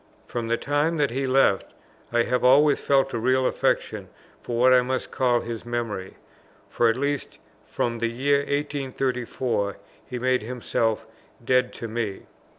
From the time that he left, I have always felt a real affection for what I must call his memory; for, at least from the year 1834, he made himself dead to me.